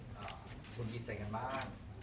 แบบมุนสภงมีเจนใส่กันบ้าน